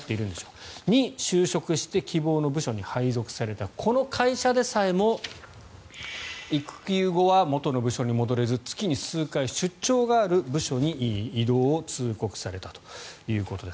そこに就職して希望の部署に配属されたこの会社でさえも育休後は元の部署に戻れず月に数回、出張がある部署に異動を通告されたということです。